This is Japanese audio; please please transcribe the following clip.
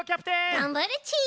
がんばるち！